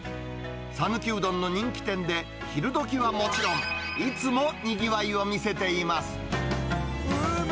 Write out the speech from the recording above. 讃岐うどんの人気店で、昼どきはもちろん、いつもにぎわいを見せています。